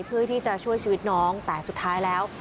เพื่อที่จะช่วยชีวิตน้องแต่สุดท้ายแล้ว